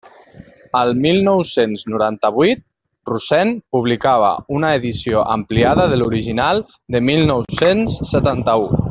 El mil nou-cents noranta-vuit, Rosen publicava una edició ampliada de l'original del mil nou-cents setanta-u.